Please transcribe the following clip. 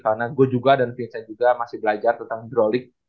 karena gue juga dan vincent juga masih belajar tentang euroleague